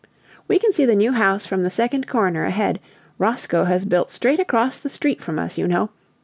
"We can see the New House from the second corner ahead. Roscoe has built straight across the street from us, you know.